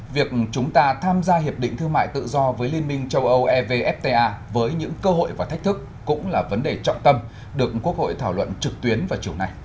việc chúng ta tham gia hiệp định thương mại tự do với liên minh châu âu evfta với những cơ hội và thách thức cũng là vấn đề trọng tâm được quốc hội thảo luận trực tuyến vào chiều nay